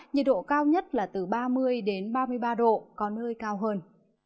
nhiệt độ cao nhất là từ ba mươi ba mươi ba độ có nơi cao hơn